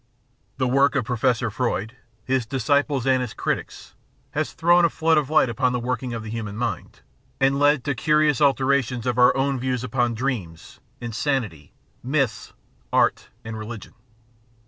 The work of Professor Freud, his disciples and his critics, has thrown a flood of light upon the working of the human mind, and led to curious alterations of our views upon dreams, insanity, myths, art, and religion.